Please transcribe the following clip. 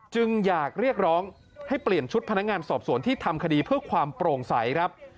จึงอยากเรียกร้องให้เปลี่ยนชุดพนักงานสอบสวนที่ทำคดีเพื่อความโปร่งใสครับ